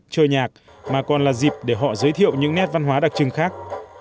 chơi nhạc mà còn là dịp để họ giới thiệu những nét văn hóa đặc trưng khác